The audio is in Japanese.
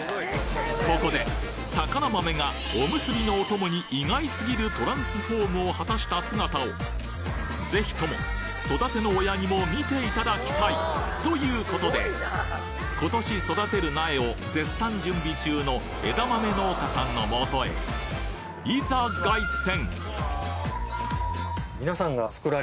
ここで肴豆がおむすびのお供に意外すぎるトランスフォームを果たした姿をぜひとも育ての親にも見ていただきたい！ということで今年育てる苗を絶賛準備中の枝豆農家さんの元へいざ凱旋！